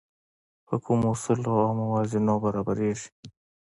په کومو اصولو او موازینو برابرېږي.